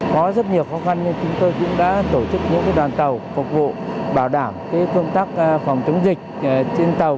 có rất nhiều khó khăn nhưng chúng tôi cũng đã tổ chức những đoàn tàu phục vụ bảo đảm công tác phòng chống dịch trên tàu